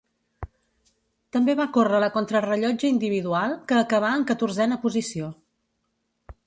També va córrer la contrarellotge individual, que acabà en catorzena posició.